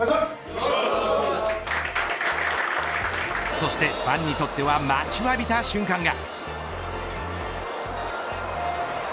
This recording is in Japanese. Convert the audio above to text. そしてファンにとっては待ちわびた瞬間が。